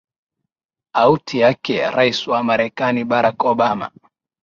auti yake rais wa marekani barack obama